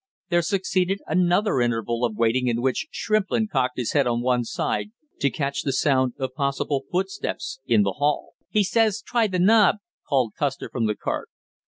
There succeeded another interval of waiting in which Shrimplin cocked his head on one side to catch the sound of possible footsteps in the hall. "He says try the knob," called Custer from the cart.